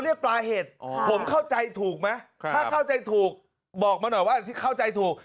ถ้าเข้าใจถูกบอกมาหน่อยว่าเข้าใจถูก